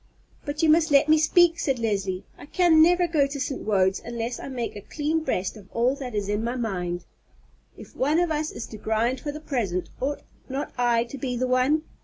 "But you must let me speak," said Leslie. "I can never go to St. Wode's unless I make a clean breast of all that is in my mind. If one of us is to grind for the present, ought not I to be the one?